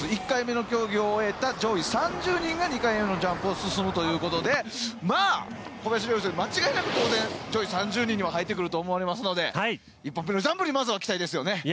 １回目の競技を終えた上位３０人が２回目のジャンプへ進むということで小林陵侑選手、間違いなく上位３０人には入ってくると思われますのでまずは期待ですよね。